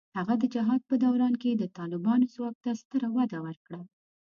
هغه د جهاد په دوران کې د طالبانو ځواک ته ستره وده ورکړه.